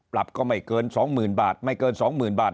ปรับก็ไม่เกินสองหมื่นบาทไม่เกินสองหมื่นบาท